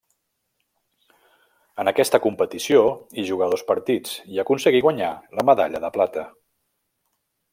En aquesta competició hi jugà dos partits i aconseguí guanyar la medalla de plata.